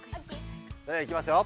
それではいきますよ。